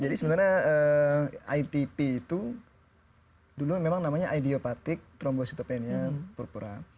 jadi sebenarnya itp itu dulu memang namanya idiopatik trombositopenia purpura